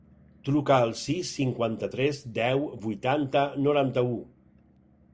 Truca al sis, cinquanta-tres, deu, vuitanta, noranta-u.